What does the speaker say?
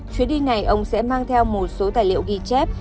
chuyến đi này ông sẽ mang theo một số tài liệu ghi chép